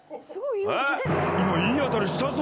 今いい当たりしたぞ。